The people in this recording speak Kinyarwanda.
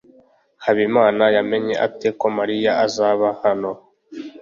Habimana yamenye ate ko Mariya azaba hano?